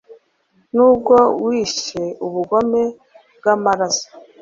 Nubwo wishe ubugome bwamaraso